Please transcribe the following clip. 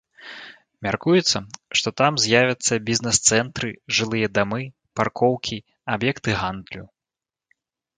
Мяркуецца, што там з'явяцца бізнес-цэнтры, жылыя дамы, паркоўкі, аб'екты гандлю.